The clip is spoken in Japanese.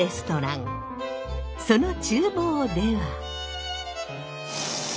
そのちゅう房では。